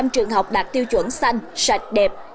một mươi trường học đạt tiêu chuẩn xanh sạch đẹp